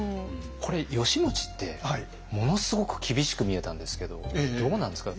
これ義持ってものすごく厳しく見えたんですけどどうなんですか？